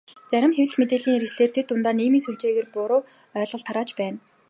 Зарим хэвлэл, мэдээллийн хэрэгслээр тэр дундаа нийгмийн сүлжээгээр буруу ойлголт тарааж байна.